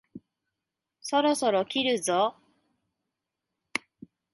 そろそろ切るぞ？